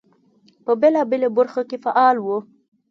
په بېلابېلو برخو کې فعال وو.